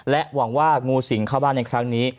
หวังว่างูสิงเข้าบ้านในครั้งนี้